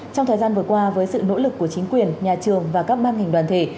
trong thời gian vừa qua với sự nỗ lực của chính quyền nhà trường và các ban ngành đoàn thể